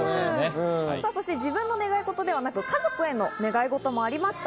そして自分の願いごとではなく、家族へのねがいごともありました。